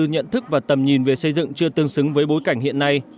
nhận thức và tầm nhìn về xây dựng chưa tương xứng với bối cảnh hiện nay